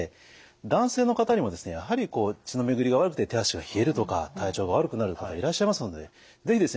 男性の方にもですねやはりこう血の巡りが悪くて手足が冷えるとか体調が悪くなる方いらっしゃいますので是非ですね